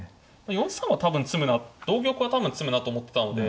４三は多分詰むな同玉は多分詰むなと思ってたので。